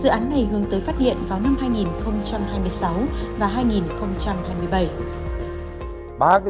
dự án này hướng tới phát hiện vào năm hai nghìn hai mươi sáu và hai nghìn hai mươi bảy